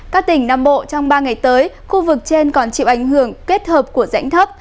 các tỉnh nam bộ trong ba ngày tới khu vực trên còn chịu ảnh hưởng kết hợp của rãnh thấp